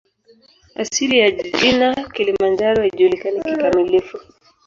Asili ya jina "Kilimanjaro" haijulikani kikamilifu.